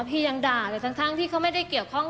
พี่ยังด่าแต่ตั้งที่เขาไม่ได้เกี่ยวกับ